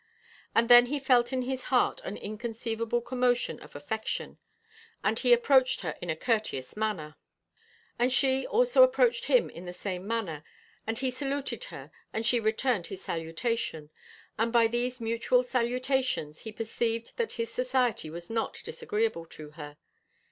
And then he felt in his heart an inconceivable commotion of affection, and he approached her in a courteous manner, and she also approached him in the same manner; and he saluted her, and she returned his salutation; and by these mutual salutations he perceived that his society was not disagreeable to her.